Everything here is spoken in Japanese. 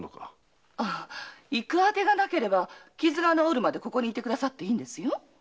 あてがなければ傷が治るまでここに居てくれていいんですよ。